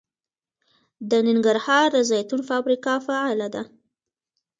د ننګرهار د زیتون فابریکه فعاله ده.